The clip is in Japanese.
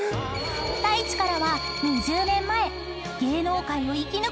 ［太一からは２０年前］